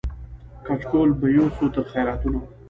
کچکول به یوسو تر خیراتونو